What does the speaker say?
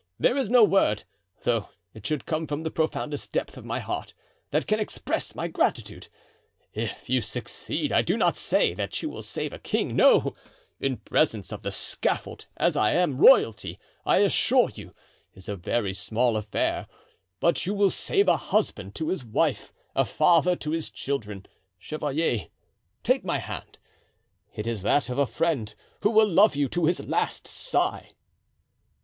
There is no word, though it should come from the profoundest depth of my heart, that can express my gratitude. If you succeed I do not say that you will save a king; no, in presence of the scaffold as I am, royalty, I assure you, is a very small affair; but you will save a husband to his wife, a father to his children. Chevalier, take my hand; it is that of a friend who will love you to his last sigh."